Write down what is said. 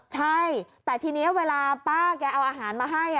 ใช่แต่ทีนี้เวลาป้าแกเอาอาหารมาให้